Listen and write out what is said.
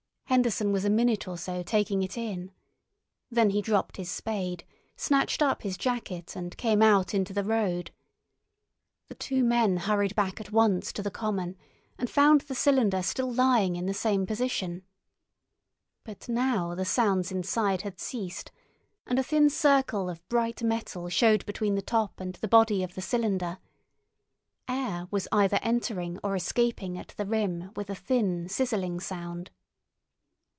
Henderson was a minute or so taking it in. Then he dropped his spade, snatched up his jacket, and came out into the road. The two men hurried back at once to the common, and found the cylinder still lying in the same position. But now the sounds inside had ceased, and a thin circle of bright metal showed between the top and the body of the cylinder. Air was either entering or escaping at the rim with a thin, sizzling sound.